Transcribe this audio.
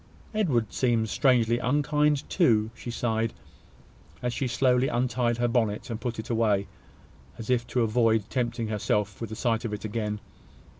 Edward seems strangely unkind too," she sighed, as she slowly untied her bonnet and put it away, as if to avoid tempting herself with the sight of it again.